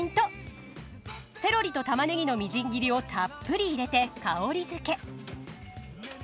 セロリとたまねぎのみじん切りをたっぷり入れて香りづけ。